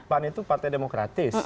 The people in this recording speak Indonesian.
pan itu partai demokratis